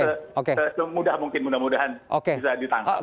semudah mungkin mudah mudahan bisa ditangkap